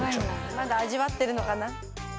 まだ味わってるのかな。